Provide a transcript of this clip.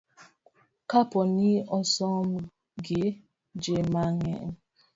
ka po ni osom gi ji mang'eny